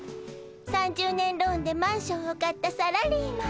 ３０年ローンでマンションを買ったサラリーマン。